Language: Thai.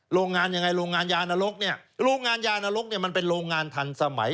โรงงานยังไงโรงงานยานรกเนี่ยโรงงานยานรกเนี่ยมันเป็นโรงงานทันสมัย